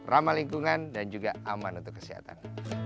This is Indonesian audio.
ramah lingkungan dan juga aman untuk kesehatan